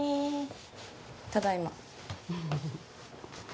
ただいま。